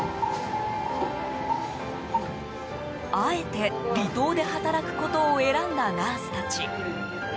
あえて離島で働くことを選んだナースたち。